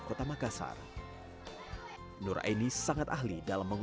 supaya bisa berbagi ilmu